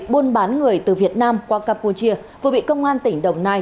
buôn bán người từ việt nam qua campuchia vừa bị công an tỉnh đồng nai